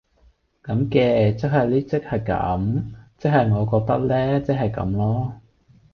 咁嘅，即係呢即係咁，即係呢我覺得呢，即係咁囉